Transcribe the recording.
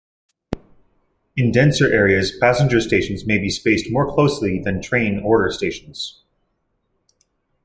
In denser areas, passenger stations may be spaced more closely than train order stations.